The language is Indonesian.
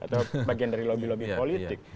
atau bagian dari lobby lobby politik